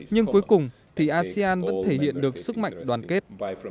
nhưng cuối cùng thì asean vẫn thể hiện được sức mạnh đoàn kết